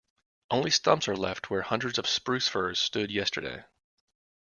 Only stumps are left where hundreds of spruce firs stood yesterday.